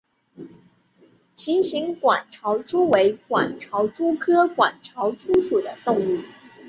琴形管巢蛛为管巢蛛科管巢蛛属的动物。